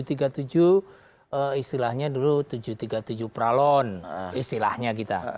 istilahnya dulu tujuh ratus tiga puluh tujuh pralon istilahnya kita